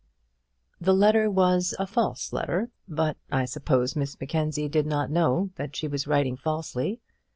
The letter was a false letter; but I suppose Miss Mackenzie did not know that she was writing falsely.